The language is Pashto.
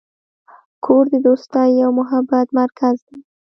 کور د دوستۍ او محبت مرکز دی.